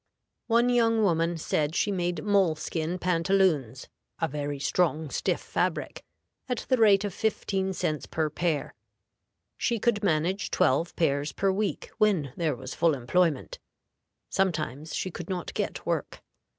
One young woman said she made moleskin pantaloons (a very strong, stiff fabric) at the rate of fifteen cents per pair. She could manage twelve pairs per week when there was full employment; sometimes she could not get work.